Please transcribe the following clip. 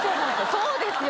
そうですよ！